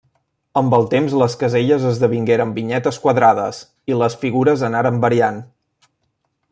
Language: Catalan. Amb el temps les caselles esdevingueren vinyetes quadrades i les figures anaren variant.